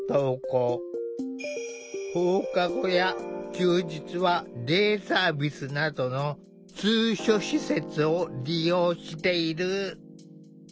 放課後や休日はデイサービスなどの通所施設を利用している。